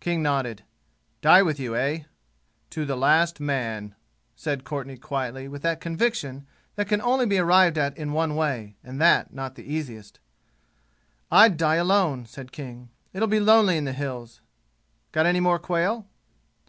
King nodded. "Die with you, eh?" "To the last man," said Courtenay quietly with that conviction that can only be arrived at in one way, and that not the easiest. "I'd die alone," said King. "It'll be lonely in the 'Hills.' Got any more quail?"